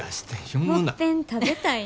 「もっぺん食べたいな」。